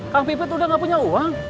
kang pipit udah gak punya uang